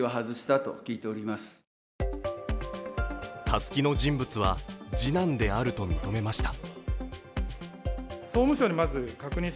たすきの人物は次男であると認めました。